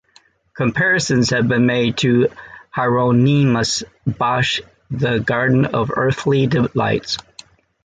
Comparisons have been made to Hieronymus Bosch's "The Garden of Earthly Delights".